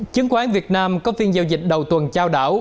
chứng khoán việt nam có phiên giao dịch đầu tuần trao đảo